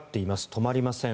止まりません。